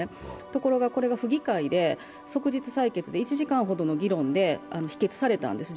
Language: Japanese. ところがこれが府議会で即日採決で１時間ほどの議論で否決されたんです。